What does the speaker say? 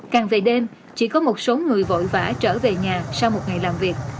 càng về đêm chỉ có một số người vội vã trở về nhà sau một ngày làm việc